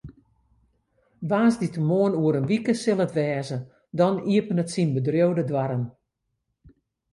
Woansdeitemoarn oer in wike sil it wêze, dan iepenet syn bedriuw de doarren.